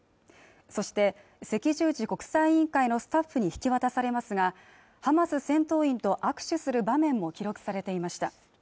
そして赤十字国際委員会のスタッフに引き渡されますがハマス戦闘員と握手する場面も記録されていました